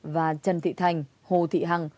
và trần thị thành hồ thị hằng